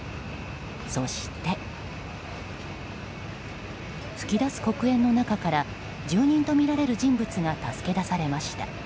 そして噴き出す黒煙の中から住人とみられる人物が助け出されました。